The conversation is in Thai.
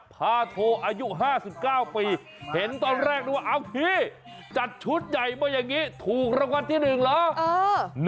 พาโทอายุ๕๙ปีเห็นตอนแรกนึกว่าเอ้าพี่จัดชุดใหญ่มาอย่างนี้ถูกรางวัลที่๑เหรอ